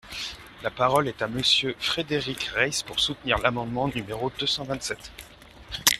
La parole est à Monsieur Frédéric Reiss, pour soutenir l’amendement numéro deux cent vingt-sept.